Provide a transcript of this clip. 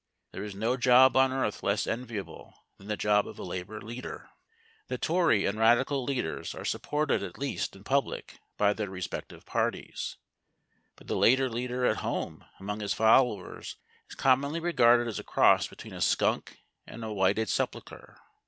There is no job on earth less enviable than the job of a Labour leader. The Tory and Radical leaders are supported at least in public by their respective parties; but the Labour leader at home among his followers is commonly regarded as a cross between a skunk and a whited sepulchre.